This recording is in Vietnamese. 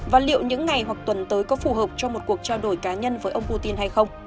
và liệu những ngày hoặc tuần tới có phù hợp cho một cuộc trao đổi cá nhân với ông putin hay không